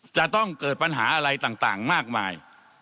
จะต้องเกิดปัญหาอะไรต่างมากมาย